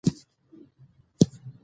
هغه د ژوند څخه ډير نا رضا وو